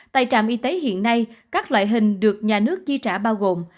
tại trạm y tế hiện nay các loại hình được nhà nước chi trả bao gồm